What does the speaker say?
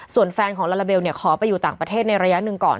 ส่วนแฟนของลาลาเบลขอไปอยู่ต่างประเทศในระยะหนึ่งก่อน